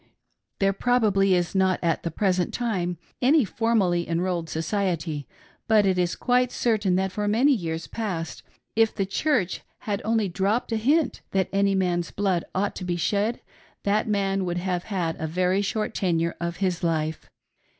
There pro bably is not at the present time any formally enrolled society, but it is quite certain that for many years past if "The Church" had only dropped a hint that any man's blood ought to be shed, that man would have had a very short tenure of his life.